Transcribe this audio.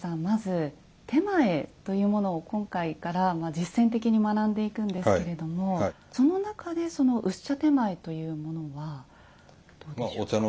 まず点前というものを今回から実践的に学んでいくんですけれどもその中で薄茶点前というものはどうでしょう？